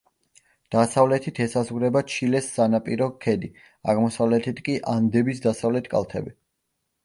დასავლეთით ესაზღვრება ჩილეს სანაპირო ქედი, აღმოსავლეთით კი ანდების დასავლეთ კალთები.